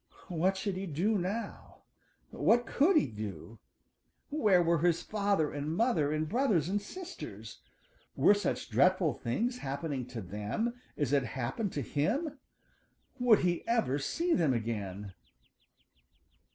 What should he do now? What could he do? Where were his father and mother and brothers and sisters? Were such dreadful things happening to them as had happened to him? Would he ever see them again?